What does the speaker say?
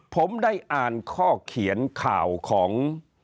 ผมได้อ่านข้อเขียนข่าวของ